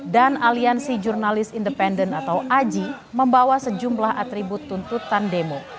dan aliansi jurnalis independen atau agi membawa sejumlah atribut tuntutan demo